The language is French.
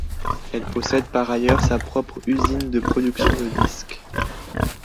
Elle possède par ailleurs sa propre usine de production de disques.